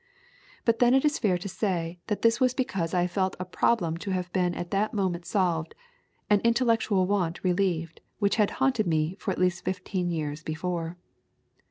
But then it is fair to say that this was because I felt a problem to have been at that moment solved, an intellectual want relieved which had haunted me for at least fifteen years before.